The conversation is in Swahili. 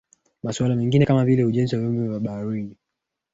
Masuala mengine kama vile ujenzi wa vyombo vya baharini